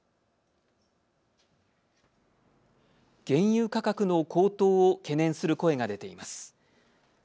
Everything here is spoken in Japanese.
原油価格の高騰を懸念する声が出ています。